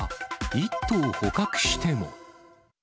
１頭捕獲しても。